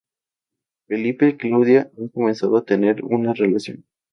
Felipe y Claudia han comenzado a tener una relación.